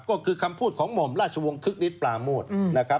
ก็คือคำพูดของหม่อมราชวงศ์คึกนิดปราโมทนะครับ